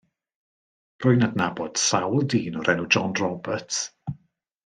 Rwy'n adnabod sawl dyn o'r enw John Roberts.